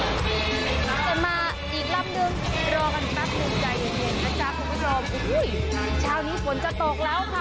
จะมาอีกลับนึงรอกันแป๊บนึงใจเย็นนะจ๊ะคุณผู้ชมอุ้ยชาวนี้ฝนจะตกแล้วค่ะ